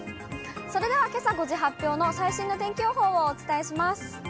それではけさ５時発表の最新の天気予報をお伝えします。